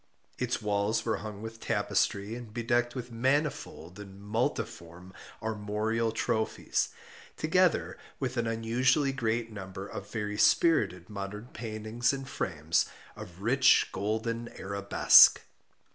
Its walls were hung with tapestry and bedecked with manifold and multiform armorial trophies, together with an unusually great number of very spirited modern paintings in frames of rich golden arabesque.